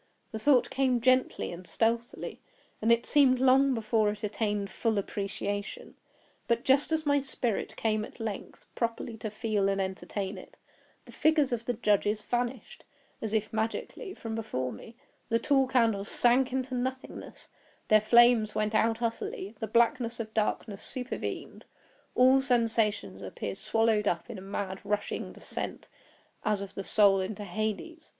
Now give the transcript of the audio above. The thought came gently and stealthily, and it seemed long before it attained full appreciation; but just as my spirit came at length properly to feel and entertain it, the figures of the judges vanished, as if magically, from before me; the tall candles sank into nothingness; their flames went out utterly; the blackness of darkness supervened; all sensations appeared swallowed up in a mad rushing descent as of the soul into Hades.